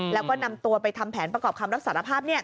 แล้วก็นำตัวไปทำแผนประกอบคำรับสารภาพ